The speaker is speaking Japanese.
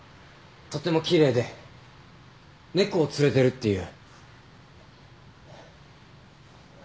とっても奇麗で猫を連れてるっていう。